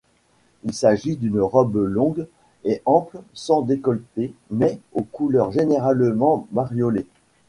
Il s'agit d'une robe longue et ample sans décolleté mais aux couleurs généralement bariolées.